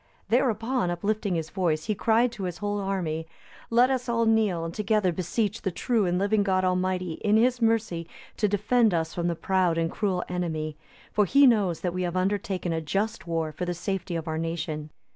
Thereupon, uplifting his voice, he cried to his whole army, "Let us all kneel, and together beseech the true and living God Almighty in His mercy to defend us from the proud and cruel enemy; for He knows that we have undertaken a just war for the safety of our nation."